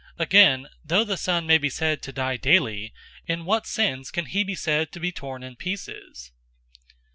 Again, though the sun may be said to die daily, in what sense can he be said to be torn in pieces?